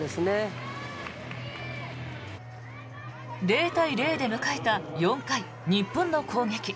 ０対０で迎えた４回日本の攻撃。